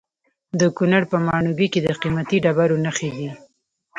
د کونړ په ماڼوګي کې د قیمتي ډبرو نښې دي.